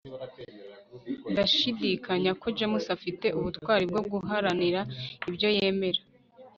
ndashidikanya ko james afite ubutwari bwo guharanira ibyo yemera